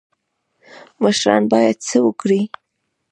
مشران باید څه وکړي؟